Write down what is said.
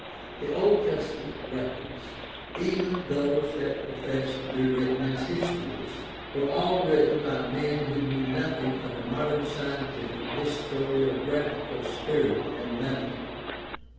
The Old Testament records, even those that profess to be written as histories, were all written by men who knew nothing of the modern scientific historiographical spirit and method.